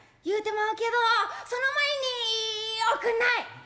「言うてまうけどその前におくんない」。